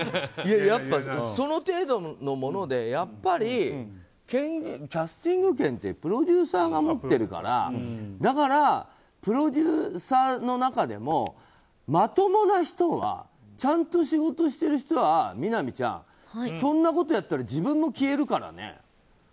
やっぱ、その程度のものでキャスティング権ってプロデューサーが持っているからだから、プロデューサーの中でもまともな人はちゃんと仕事してる人はみなみちゃんそんなことやったら自分も消えるからね。